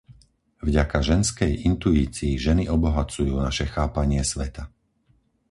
Vďaka ženskej intuícii ženy obohacujú naše chápanie sveta.